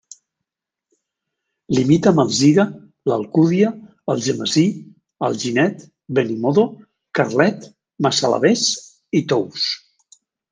Limita amb Alzira, l'Alcúdia, Algemesí, Alginet, Benimodo, Carlet, Massalavés i Tous.